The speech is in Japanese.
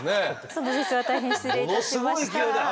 その節は大変失礼いたしました。